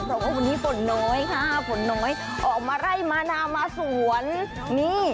เพราะว่าวันนี้ฝนน้อยค่ะฝนน้อยออกมาไร่มะนาวมาสวนนี่